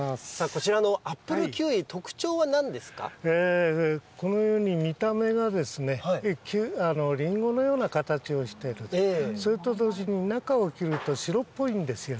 こちらのアップルキウイ、このように見た目がですね、リンゴのような形をしている、それと同時に中を切ると白っぽいんですよね。